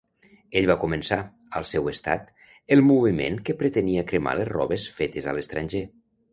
Ell va començar, al seu estat, el moviment que pretenia cremar les robes fetes a l'estranger.